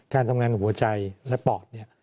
การทำงานหัวใจและปอดเนี่ย